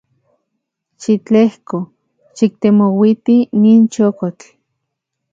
Xitlejko xiktemouiti nin xokotl.